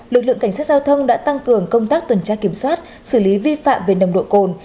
lực lượng cảnh sát giao thông đã tăng cường công tác tuần tra kiểm soát xử lý vi phạm về nồng độ cồn